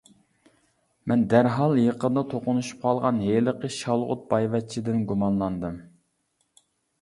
مەن دەرھال يېقىندا توقۇنۇشۇپ قالغان ھېلىقى شالغۇت بايۋەچچىدىن گۇمانلاندىم.